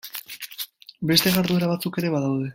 Beste jarduera batzuk ere badaude.